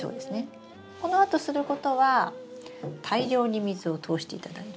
このあとすることは大量に水を通していただいて。